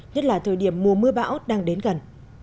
nhất là thời điểm mùa mưa bão đang đến gần